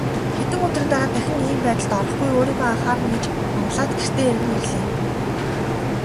Хэдэн өдрийн дараа дахин ийм байдалд орохгүй, өөрийгөө анхаарна гэж амлаад гэртээ эргэн ирлээ.